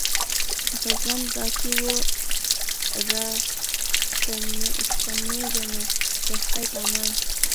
که ژوند باقي وو را ستنېږمه د خدای په امان